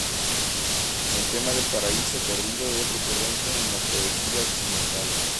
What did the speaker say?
El tema del paraíso perdido es recurrente en la poesía occidental.